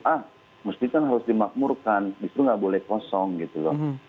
ah mesti kan harus dimakmurkan justru nggak boleh kosong gitu loh